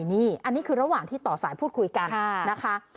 นี่อันนี้คือระหว่างที่ต่อสายพูดคุยกันนะคะ